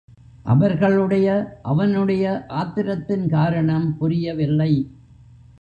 அவர்களுக்கு அவனுடைய ஆத்திரத்தின் காரணம் புரிய வில்லை.